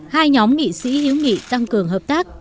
hai nhóm nghị sĩ hữu nghị tăng cường hợp tác